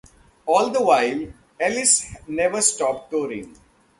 All the while Ellis never stopped touring.